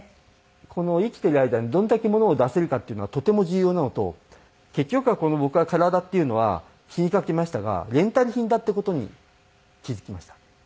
この生きてる間にどれだけものを出せるかっていうのはとても重要なのと結局はこの僕は体っていうのは死にかけましたがレンタル品だって事に気付きました。